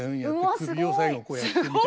首を最後こうやってみたいな。